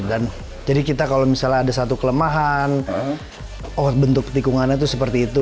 dan jadi kita kalau misalnya ada satu kelemahan bentuk tikungannya tuh seperti itu